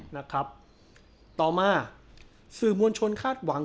นะครับต่อมาสื่อมวลชนคาดหวัง